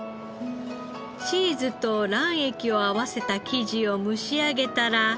チーズと卵液を合わせた生地を蒸し上げたら。